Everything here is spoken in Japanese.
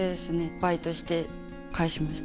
バイトして返しました。